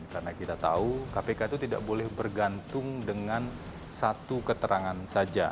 karena kita tahu kpk itu tidak boleh bergantung dengan satu keterangan saja